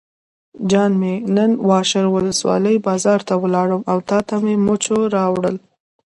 جان مې نن واشر ولسوالۍ بازار ته لاړم او تاته مې مچو راوړل.